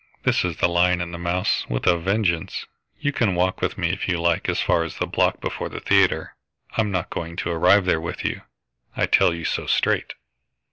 "This is the lion and the mouse, with a vengeance. You can walk with me, if you like, as far as the block before the theatre. I'm not going to arrive there with you, and I tell you so straight."